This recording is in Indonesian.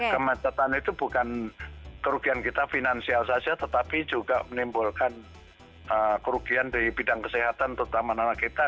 kemacetan itu bukan kerugian kita finansial saja tetapi juga menimbulkan kerugian di bidang kesehatan terutama anak kita